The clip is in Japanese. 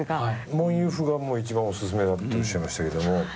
モンユフが一番おすすめだっておっしゃいましたけども。